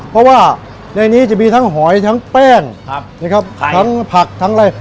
เพราะว่าในนี้จะมีทั้งหอยทั้งแป้งนะครับทั้งผักทั้งอะไร